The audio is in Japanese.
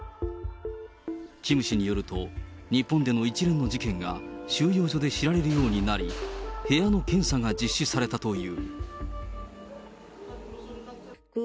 キム氏によると、日本での一連の事件が、収容所で知られるようになり、部屋の検査が実施されたという。